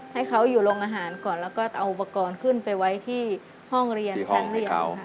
ให้เขาอยู่โรงอาหารก่อนแล้วก็เอาอุปกรณ์ขึ้นไปไว้ที่ห้องเรียนชั้นเรียนค่ะ